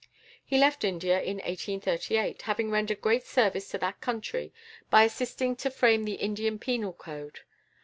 He left India in 1838, having rendered great service to that country by assisting to frame the Indian penal code.